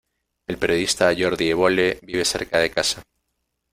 El periodista Jordi Evole vive cerca de casa.